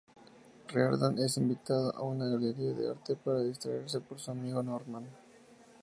Reardon es invitado a una galería de arte para distraerse por su amigo Norman.